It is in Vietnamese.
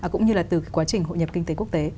cũng như là từ quá trình hội nhập kinh tế quốc tế